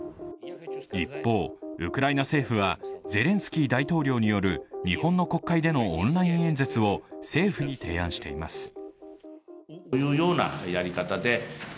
一方、ウクライナ政府はゼレンスキー大統領による日本の国会でのオンライン演説を政府に提案しています。